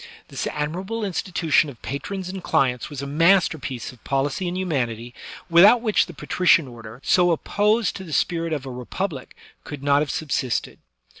This admirable institu* tion of patrons and clients was a masterpiece of policy and humanity, without which the patrician order, so op* posed to the spirit of a republic, could not have sub sisted.